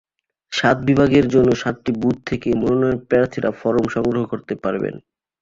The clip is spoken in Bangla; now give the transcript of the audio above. সাত বিভাগের জন্য সাতটি বুথ থেকে মনোনয়নপ্রত্যাশীরা ফরম সংগ্রহ করতে পারবেন।